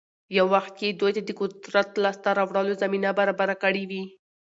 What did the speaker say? يـو وخـت يـې دوي تـه د قـدرت لاس تـه راوړلـو زمـينـه بـرابـره کـړي وي.